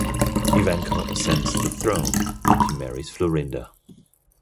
Evanco ascends the throne, and he marries Florinda.